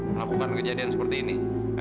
melakukan kejadian seperti ini